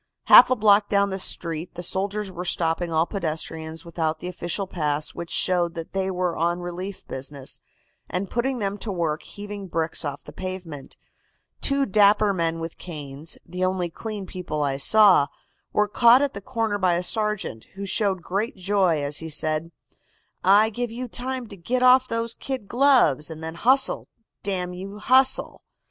"Half a block down the street the soldiers were stopping all pedestrians without the official pass which showed that they were on relief business, and putting them to work heaving bricks off the pavement. Two dapper men with canes, the only clean people I saw, were caught at the corner by a sergeant, who showed great joy as he said: "'I give you time to git off those kid gloves, and then hustle, damn you, hustle!